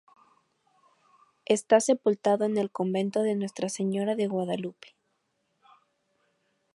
Está sepultado en el convento de Nuestra Señora de Guadalupe.